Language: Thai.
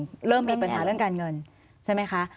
เริ่มมีปัญหาเรื่องการเงินใช่ไหมคะ